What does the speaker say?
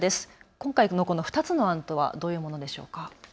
今回の２つの案とはどういうものでしょうか。